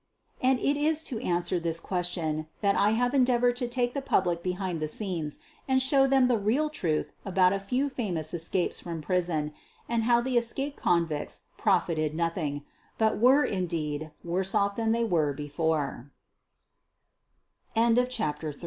And it is to answer this question that I have endeavored to take the public behind the scenes and show them the real truth about a few famous escapes from pris on, and how the esoaped convicts profited nothing, tout were, indeed, worse off than th